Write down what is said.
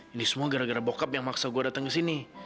ini semua gara gara bokap yang maksa gue datang ke sini